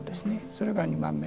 それが２番目。